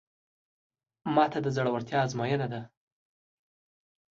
ماته د زړورتیا ازموینه ده.